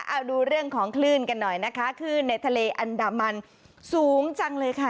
เอาดูเรื่องของคลื่นกันหน่อยนะคะคลื่นในทะเลอันดามันสูงจังเลยค่ะ